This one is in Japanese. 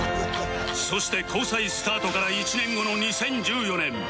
そして交際スタートから１年後の２０１４年